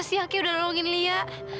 siang kak udah nolongin lia